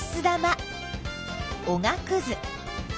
玉おがくず